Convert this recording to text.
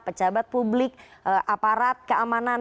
pejabat publik aparat keamanan